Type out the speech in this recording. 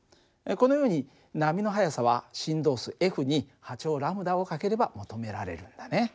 このように波の速さは振動数に波長λを掛ければ求められるんだね。